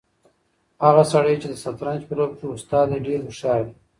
هغه سړی چې د شطرنج په لوبه کې استاد دی ډېر هوښیار دی.